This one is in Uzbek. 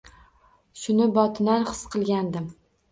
Shuni botinan his qilgandim.